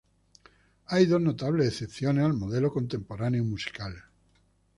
Hay dos notables excepciones al modelo contemporáneo musical.